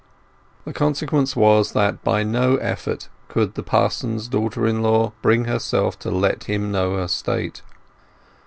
The consequence was that by no effort could the parson's daughter in law bring herself to let him know her state.